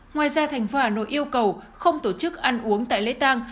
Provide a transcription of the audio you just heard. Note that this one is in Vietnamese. ngoài ra tp hà nội yêu cầu không tổ chức ăn uống tại lễ tăng